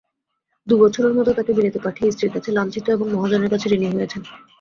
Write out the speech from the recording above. দু-বছরের মতো তাঁকে বিলেতে পাঠিয়ে স্ত্রীর কাছে লাঞ্ছিত এবং মহাজনের কাছে ঋণী হয়েছেন।